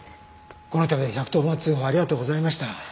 この度は１１０番通報ありがとうございました。